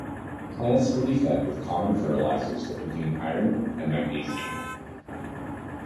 Plants may be fed with common fertilizers that contain iron and magnesium.